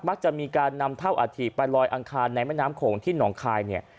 จะมีการนำเท่าอาถิไปลอยอังคารในแม่น้ำโขงที่หนองคายเนี่ย